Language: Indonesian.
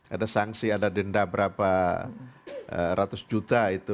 ada sanksi ada denda berapa ratus juta itu